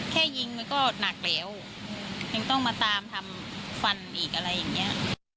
แค่ยิงมันก็หนักแล้วยังต้องมาตามทำฟันอีกอะไรอย่างนี้